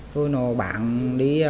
rồi nó bán đi